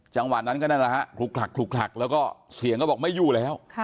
จังหวะนั้นก็นั่นแหละฮะคลุกคลักแล้วก็เสียงก็บอกไม่อยู่แล้ว